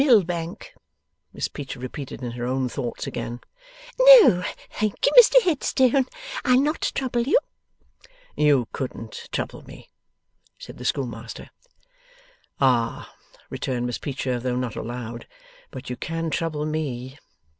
'Mill Bank,' Miss Peecher repeated in her own thoughts once again. 'No, thank you, Mr Headstone; I'll not trouble you.' 'You couldn't trouble me,' said the schoolmaster. 'Ah!' returned Miss Peecher, though not aloud; 'but you can trouble ME!